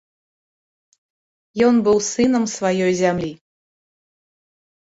Ён быў сынам сваёй зямлі.